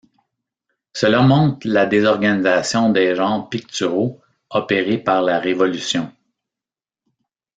Cela montre la désorganisation des genres picturaux opérée par la Révolution.